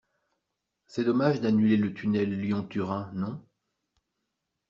C'est dommage d'annuler le tunnel Lyon Turin, non?